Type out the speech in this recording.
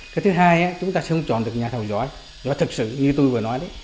cái thứ hai chúng ta sẽ không chọn được nhà thầu giỏi và thực sự như tôi vừa nói đấy